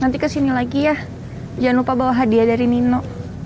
nanti kesini lagi ya jangan lupa bawa hadiah dari nino